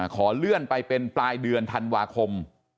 ขอเลื่อนไปเป็นปลายเดือนธันวาคม